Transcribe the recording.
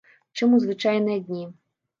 Чым у звычайныя дні.